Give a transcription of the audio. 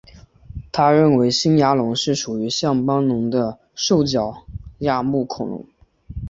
他认为新牙龙是属于像斑龙的兽脚亚目恐龙。